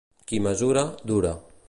Qui mesura, dura.